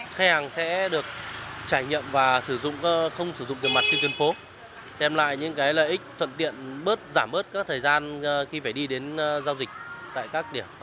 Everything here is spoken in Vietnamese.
khách hàng sẽ được trải nghiệm và không sử dụng tiền mặt trên tuyến phố đem lại những lợi ích thuận tiện bớt giảm bớt các thời gian khi phải đi đến giao dịch tại các điểm